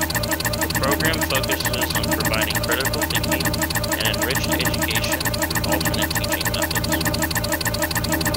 The program focuses on providing critical thinking and enriched education through alternative teaching methods.